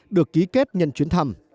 được ký kết nhân chuyển